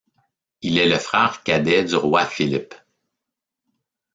Il est le frère cadet du roi Philippe.